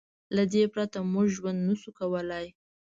له دې پرته موږ ژوند نه شو کولی.